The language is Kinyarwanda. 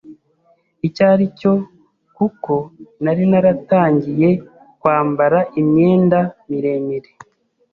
icyo ari cyo kuko nari naratangiye kwambara imyenda miremire,